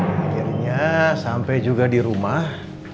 akhirnya sampai juga di rumah